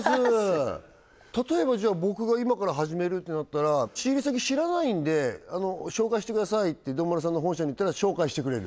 例えば僕が今から始めるってなったら仕入れ先知らないんで紹介してくださいって丼丸さんの本社に言ったら紹介してくれる？